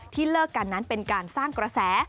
เลิกกันนั้นเป็นการสร้างกระแส